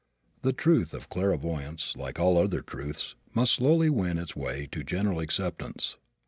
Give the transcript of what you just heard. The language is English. The truth of clairvoyance, like all other truths, must slowly win its way to general acceptance.